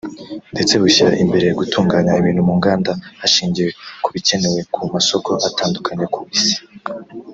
ndetse bushyira imbere gutunganya ibintu mu nganda hashingiwe ku bikenewe ku masoko atandukanye ku Isi